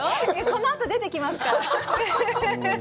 このあと出てきますから。